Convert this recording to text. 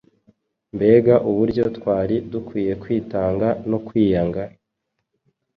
mbega uburyo twari dukwiye kwitanga no kwiyanga!